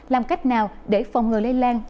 làm cách nào để phòng ngừa lây lan